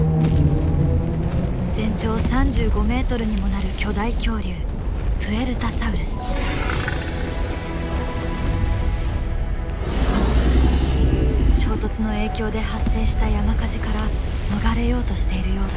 全長３５ｍにもなる巨大恐竜衝突の影響で発生した山火事から逃れようとしているようだ。